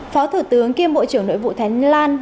phó thủ tướng kiêm bộ trưởng nội vụ thái lan